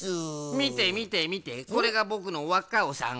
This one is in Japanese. みてみてみてこれがぼくのわっカオさん。